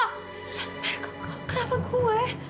mer kenapa gue